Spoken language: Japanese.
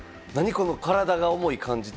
この体が重い感じって。